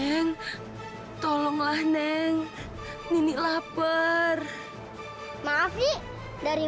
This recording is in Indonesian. hacatika jangan menintasi garis putih ini